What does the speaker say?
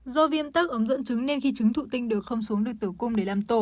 do viêm tắc ấm dẫn trứng nên khi trứng thụ tinh được không xuống được tử cung để làm tổ